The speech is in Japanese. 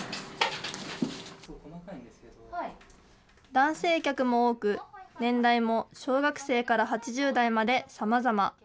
男性客も多く、年代も小学生から８０代までさまざま。